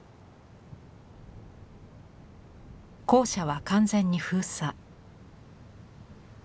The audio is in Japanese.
校舎は完全に封鎖。